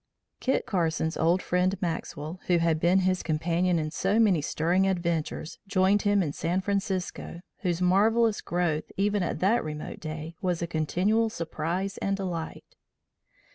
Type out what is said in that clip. Kit Carson's old friend, Maxwell, who had been his companion in so many stirring adventures, joined him in San Francisco, whose marvellous growth even at that remote day was a continual surprise and delight.